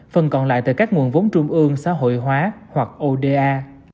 phần còn lại từ các nguồn vốn trung ương xã hội hóa hoặc oda